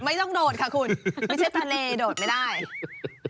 โดดค่ะคุณไม่ใช่ทะเลโดดไม่ได้